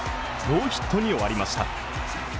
ノーヒットに終わりました。